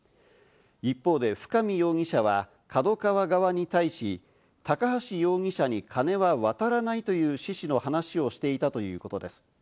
一方で深見容疑者はＫＡＤＯＫＡＷＡ側に対し、高橋容疑者にカネは渡らないという趣旨の話をしていたということです。